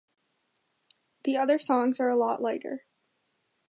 The other songs are a lot lighter.